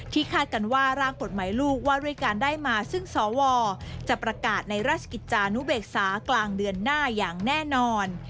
คาดกันว่าร่างกฎหมายลูกว่าด้วยการได้มาซึ่งสวจะประกาศในราชกิจจานุเบกษากลางเดือนหน้าอย่างแน่นอน